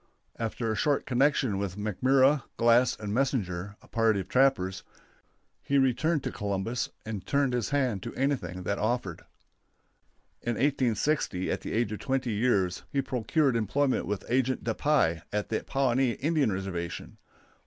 After a short connection with McMurra, Glass, and Messenger, a party of trappers, he returned to Columbus and turned his hand to anything that offered. In 1860, at the age of twenty years, he procured employment with Agent De Puy, at the Pawnee Indian Reservation.